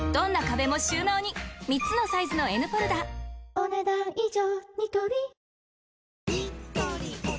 お、ねだん以上。